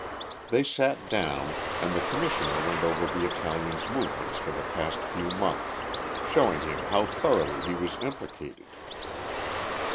They sat down, and the Commissioner went over the Italian's movements for the past few months, showing him how thoroughly he was implicated.